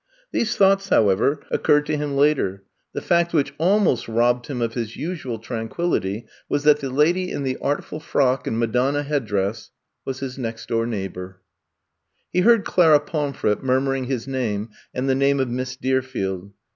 These thoughts, however, occurred to him later. The fact which almost robbed him of his usual tranquillity was that the lady in the artful frock and Madonna head dress was his next door neighbor. 18 I'VE COME TO STAY 19 He heard Clara Pomf ret mnrmuring his name and the name of Miss Deerfield.